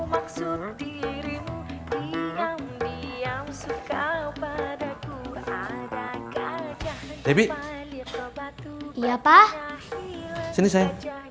jangan diam diam begitu